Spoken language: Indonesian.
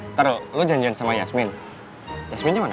ntar lo janjian sama yasmin yasminnya mana